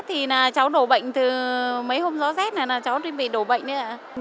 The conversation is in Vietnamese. thì là cháu đổ bệnh từ mấy hôm do rác là cháu truyền bị đổ bệnh nữa ạ